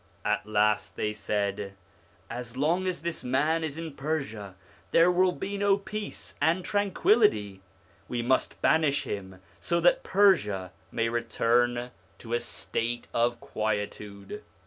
At last they said: 'As long as this man is in Persia there will be no peace and tranquillity ; we must banish him, so that Persia may return to a state of quietude.'